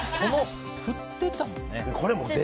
振ってたもんね。